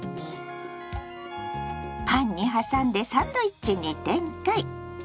パンに挟んでサンドイッチに展開！